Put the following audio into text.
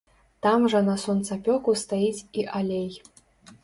Там жа на сонцапёку стаіць і алей.